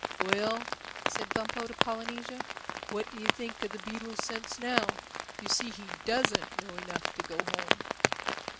"Well," said Bumpo to Polynesia, "what do you think of the beetle's sense now? You see he doesn't know enough to go home."